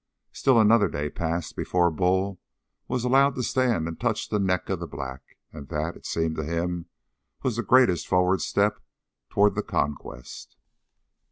Still another day passed before Bull was allowed to stand and touch the neck of the black; and that, it seemed to him, was the greatest forward step toward the conquest.